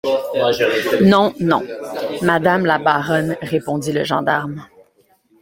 Non, non, madame la baronne, répondit le gendarme.